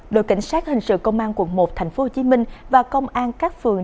đội cảnh sát hình sự công an quận một tp hcm và công an các phường